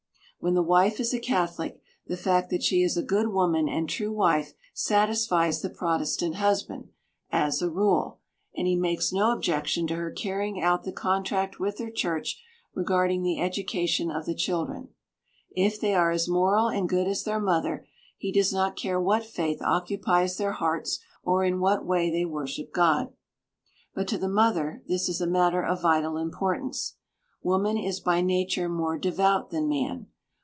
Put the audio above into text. When the wife is a Catholic, the fact that she is a good woman and true wife satisfies the Protestant husband, as a rule, and he makes no objection to her carrying out the contract with her Church regarding the education of the children. If they are as moral and good as their mother, he does not care what faith occupies their hearts or in what way they worship God. But to the mother this is a matter of vital importance. Woman is by nature more devout than man.